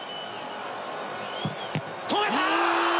止めた！